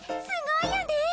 すごいよね！